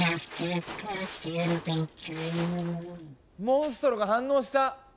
モンストロが反応した！